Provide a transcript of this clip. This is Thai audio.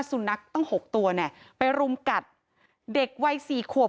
สุนัขตั้ง๖ตัวเนี่ยไปรุมกัดเด็กวัยสี่ขวบ